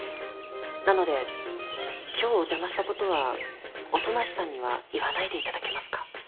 なので今日お邪魔したことは音無さんには言わないでいただけますか？